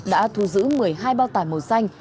đã thu giữ một mươi hai bao tải màu xanh